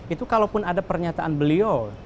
itu kalaupun ada pernyataan beliau